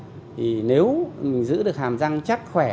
thì nếu giữ được hàm răng chắc khỏe